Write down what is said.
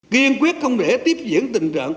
kiên quyết không để tiếp diễn tình trạng